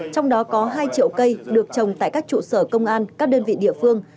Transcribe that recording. trong đó có hai triệu cây được trồng tại các trụ sở công an các đơn vị địa phương